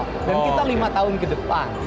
kita lima tahun ke depan